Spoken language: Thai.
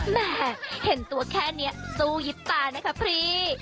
แหมเห็นตัวแค่นี้ซู่ยิบตานะครับพรี